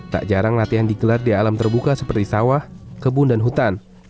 tak jarang latihan digelar di alam terbuka seperti sawah kebun dan hutan